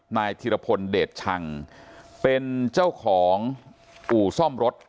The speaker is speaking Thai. นายธิรพลเดชชังเป็นเจ้าของอู่ซ่อมรถ